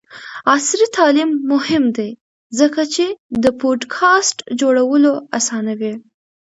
عصري تعلیم مهم دی ځکه چې د پوډکاسټ جوړولو اسانوي.